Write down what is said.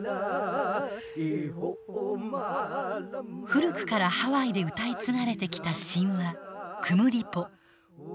古くからハワイで歌い継がれてきた神話「クムリポ」。